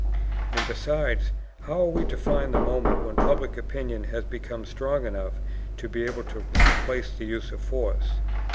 And besides, how are we to find the moment when public opinion has become strong enough to be able to replace the use of force?